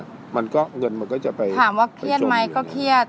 เงินมันก็จะไปจมอยู่อย่างนี้ค่ะถามว่าเครียดไหมก็เครียด